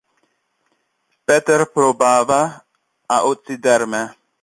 Peter probava a occider me.